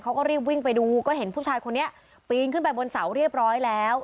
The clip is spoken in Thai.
เขาก็รีบวิ่งไปดูก็เห็นผู้ชายคนนี้ปีนขึ้นไปบนเสาเรียบร้อยแล้ว